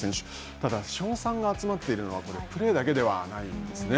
ただ、称賛が集まっているのはプレーだけではないんですね。